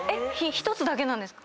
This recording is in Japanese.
１つだけなんですか？